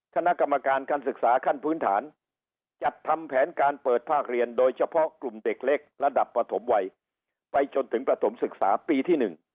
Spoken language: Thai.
คณะกรรมการการศึกษาขั้นพื้นฐานจัดทำแผนการเปิดภาคเรียนโดยเฉพาะกลุ่มเด็กเล็กระดับปฐมวัยไปจนถึงประถมศึกษาปีที่๑